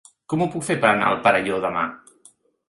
Com ho puc fer per anar al Perelló demà?